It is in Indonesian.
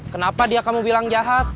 kenapa dia kamu bilang jahat